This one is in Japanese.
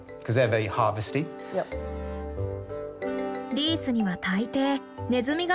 リースには大抵ネズミがのっている。